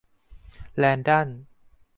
แรนดัลล์